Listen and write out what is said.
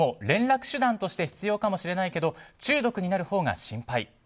連絡手段として必要かもしれないけど中毒になるほうが心配。